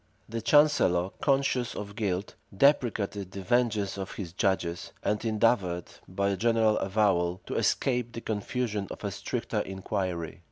The chancellor, conscious of guilt, deprecated the vengeance of his judges, and endeavored, by a general avowal, to escape the confusion of a stricter inquiry.